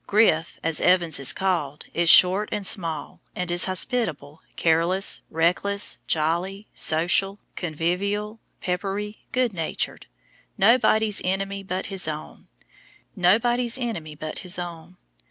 "Griff," as Evans is called, is short and small, and is hospitable, careless, reckless, jolly, social, convivial, peppery, good natured, "nobody's enemy but his own."